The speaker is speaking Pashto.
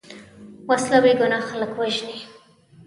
وسله بېګناه خلک وژلي